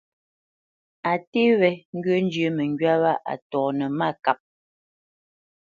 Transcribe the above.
A nté wé ŋgyə̂ njyə́ məŋgywá wâ a tɔnə́ mâkap.